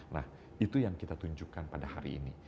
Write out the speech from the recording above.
nah itu yang kita tunjukkan pada hari ini